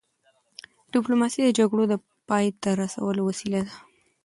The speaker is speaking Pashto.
ډيپلوماسي د جګړو د پای ته رسولو وسیله ده.